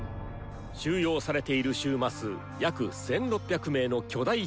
収容されている囚魔数約１，６００名の巨大地下要塞である。